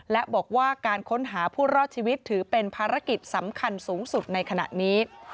และบอกว่าการค้นหาผู้รอดชีวิตถือเป็นภารกิจสำคัญสูงสุดในขณะนี้